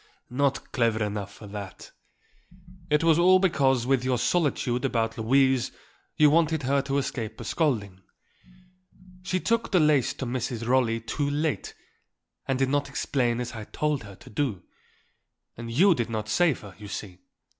"Not clever enough for that. It was all because with your solicitude about Louise you wanted her to escape a scolding. She took the lace to Mrs. Rolley too late and did not explain as I told her to do. And you did not save her, you see.